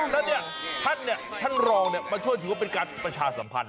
แล้วเนี่ยท่านเนี่ยท่านรองเนี่ยมาช่วยถือว่าเป็นการประชาสัมพันธ์